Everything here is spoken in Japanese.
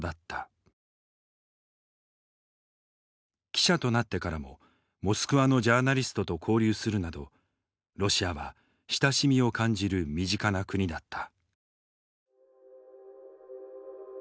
記者となってからもモスクワのジャーナリストと交流するなどロシアは親しみを感じる身近な国だった。